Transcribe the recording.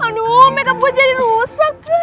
aduh makeup gue jadi rosak